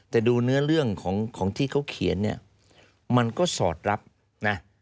แต่ดูเนื้อเรื่องของที่เขาเขียนเนี่ยมันก็สอดรับนะ